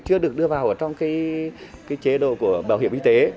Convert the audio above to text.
chưa được đưa vào trong chế độ của bảo hiểm y tế